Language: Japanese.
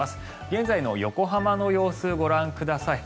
現在の横浜の様子ご覧ください。